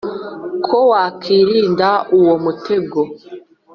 Uko wakwirinda uwo mutego